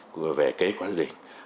và về kế hoạch lĩnh